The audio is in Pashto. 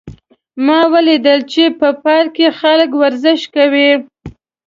ما ولیدل چې په پارک کې خلک ورزش کوي